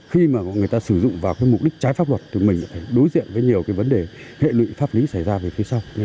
khi mà người ta sử dụng vào cái mục đích trái pháp luật thì mình lại phải đối diện với nhiều cái vấn đề hệ lụy pháp lý xảy ra về phía sau